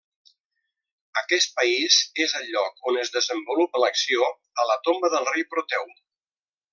Aquest país és el lloc on es desenvolupa l'acció, a la tomba del rei Proteu.